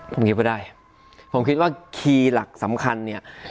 ผมคิดว่าได้ผมคิดว่าคีย์หลักสำคัญเนี่ย